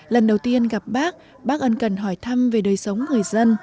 lần đầu tiên gặp bác bác ân cần hỏi thăm về đời sống người dân